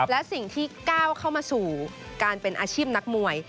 และสิ่งที่ก้าวเข้ามาสู่การเป็นอาชีพนักมวย